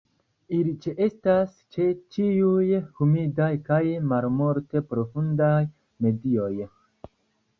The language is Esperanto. Ili ĉeestas ĉe ĉiuj humidaj kaj malmulte profundaj medioj.